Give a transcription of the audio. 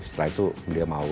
setelah itu beliau mau